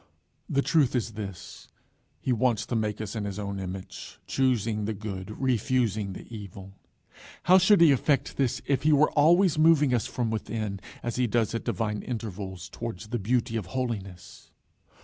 The truth is this: He wants to make us in his own image, choosing the good, refusing the evil. How should he effect this if he were always moving us from within, as he does at divine intervals, towards the beauty of holiness?